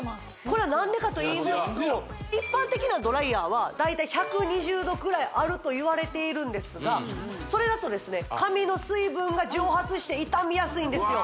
これはなんでかといいますと一般的なドライヤーはだいたい１２０℃くらいあるといわれているんですがそれだとですね髪の水分が蒸発して傷みやすいんですよ